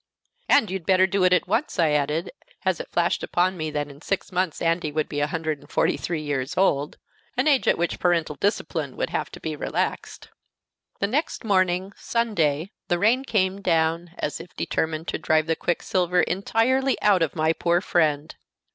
"And you'd better do it at once!" I added, as it flashed upon me that in six months Andy would be a hundred and forty three years old! an age at which parental discipline would have to be relaxed. The next morning, Sunday, the rain came down as if determined to drive the quicksilver entirely out of my poor friend.